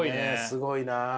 すごいなあ。